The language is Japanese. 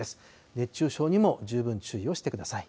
熱中症にも十分、注意をしてください。